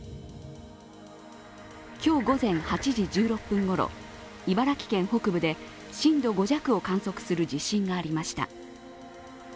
今日午前８時１６分ごろ茨城県北部で震度５弱を観測する地震がありました。